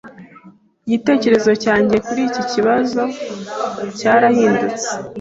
Igitekerezo cyanjye kuri iki kibazo cyarahindutse.